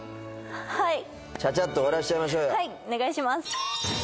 はいちゃちゃっと終わらしちゃいましょうよお願いします